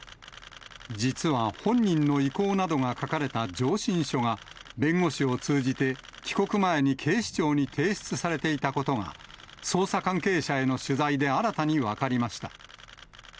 実は、本人の意向などが書かれた上申書が、弁護士を通じて帰国前に警視庁に提出されていたことが、捜査関係者への取材で新たに分かりました。